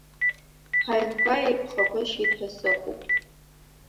Ҳаҩнқәа еиқәхагәышьеит ҳәа сыҟоуп…